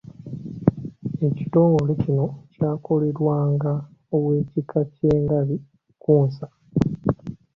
Ekitongole kino kyakulirwanga ow’ekika ky’engabi Kkunsa.